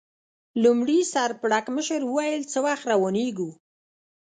لومړي سر پړکمشر وویل: څه وخت روانېږو؟